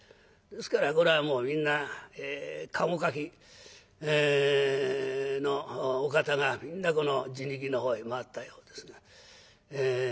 ですからこれはもうみんな駕籠かきのお方がみんなこの人力の方へ回ったようですが。